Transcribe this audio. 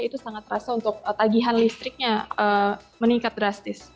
itu sangat terasa untuk tagihan listriknya meningkat drastis